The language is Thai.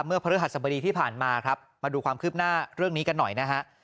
พฤหัสบดีที่ผ่านมาครับมาดูความคืบหน้าเรื่องนี้กันหน่อยนะฮะ